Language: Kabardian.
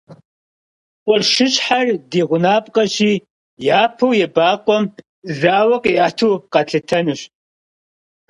Къуршыщхьэр ди гъунапкъэщи, япэу ебакъуэм зауэ къиӏэтауэ къэтлъытэнущ.